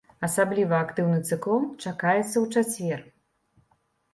Асабліва актыўны цыклон чакаецца ў чацвер.